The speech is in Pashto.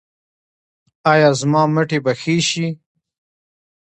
ایا زما مټې به ښې شي؟